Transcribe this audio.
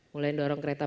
mulai dorong kereta